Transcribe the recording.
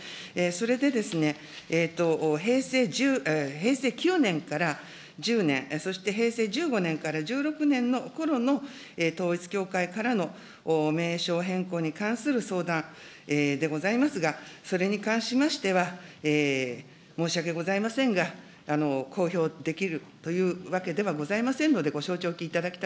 それでですね、平成９年から１０年、そして平成１５年から１６年のころの統一教会からの名称変更に関する相談でございますが、それに関しましては、申し訳ございませんが、公表できるというわけではございませんので、ご承知おきいただき